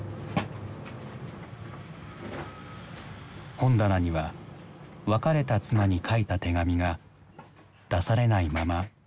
本棚には別れた妻に書いた手紙が出されないまま残されていた。